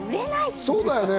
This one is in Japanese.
そうだよね。